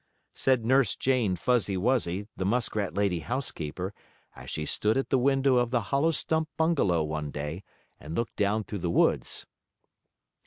said Nurse Jane Fuzzy Wuzzy, the muskrat lady housekeeper, as she stood at the window of the hollow stump bungalow one day, and looked down through the woods.